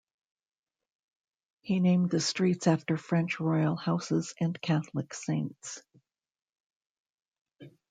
He named the streets after French royal houses and Catholic saints.